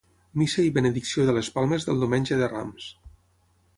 Missa i benedicció de les palmes del Diumenge de Rams.